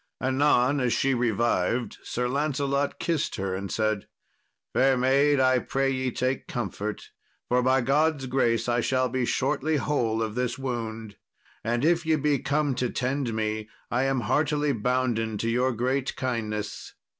Anon, as she revived, Sir Lancelot kissed her, and said, "Fair maid, I pray ye take comfort, for, by God's grace, I shall be shortly whole of this wound, and if ye be come to tend me, I am heartily bounden to your great kindness."